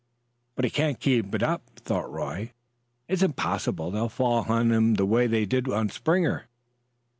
"But he can't keep it up," thought Roy; "it's impossible. They'll fall on him the way they did on Springer."